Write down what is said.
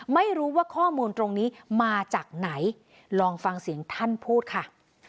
ไม่รู้ว่าข้อมูลตรงนี้มาจากไหนลองฟังเสียงท่านพูดค่ะ